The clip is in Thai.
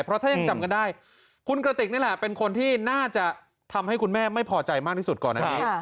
เพราะถ้ายังจำกันได้คุณกระติกนี่แหละเป็นคนที่น่าจะทำให้คุณแม่ไม่พอใจมากที่สุดก่อนอันนี้